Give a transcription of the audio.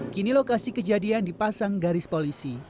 kini lokasi kejadian dipasang garis polisi